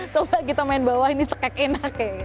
coba kita main bawah ini cekek enak